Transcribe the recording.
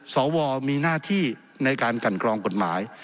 สวมีหน้าที่ในการกันกรองกฎหมาย